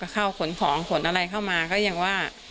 ข้าวขนของขนอะไรเข้ามาก็ยังว่า